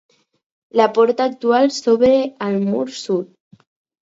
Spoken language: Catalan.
La porta actual s'obre al mur sud.